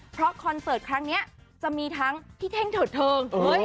เพราะคอนเสิร์ตครั้งนี้จะมีทั้งพี่เท่งเถิดเทิง